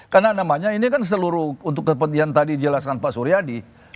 karena namanya ini kan seluruh untuk kepentingan tadi dijelaskan pak suryadi